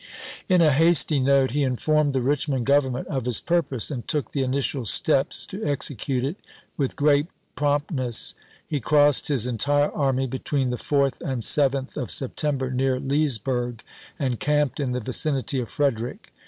" In a hasty note he informed the Eichmond Gov ernment of his purpose, and took the initial steps to execute it with great promptness. He crossed his entire army between the 4th and 7th of Septem 1862. ber near Leesburg, and camped in the vicinity of Frederick.